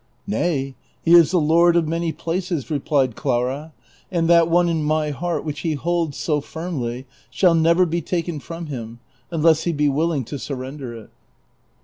" Nay, he is the lord of nuiny places," replied Clara, '' and that one in my heart which he holds so firmly shall never be taken from him, unless he be willing to surrender it."